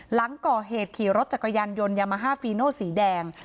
หลังก่อเหตุขี่รถจักรยานยนต์ยามาฮาฟีโนสีแดง